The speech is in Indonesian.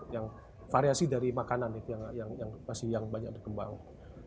yang variasi dari makanan yang masih banyak berkembang